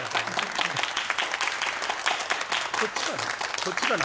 こっちかな？